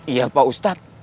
iya pak ustadz